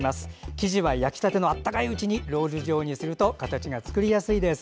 生地は焼きたての温かいうちにロール状にすると形が作りやすいです。